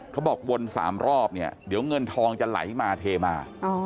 เขาบอกวนสามรอบเนี่ยเดี๋ยวเงินทองจะไหลมาเทมา